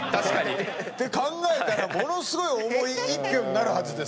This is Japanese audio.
考えたらものすごい重い１票になるはずです。